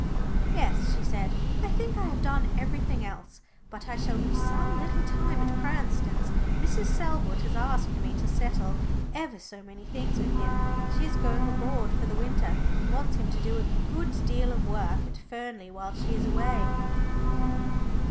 "Yes," she said, "I think I have done everything else. But I shall be some little time at Cranston's. Mrs. Selwood has asked me to settle ever so many things with him she is going abroad for the winter, and wants him to do a good deal of work at Fernley while she is away."